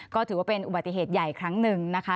ก็ถือว่าเป็นอุบัติเหตุใหญ่ครั้งหนึ่งนะคะ